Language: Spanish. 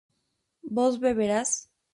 vos beberás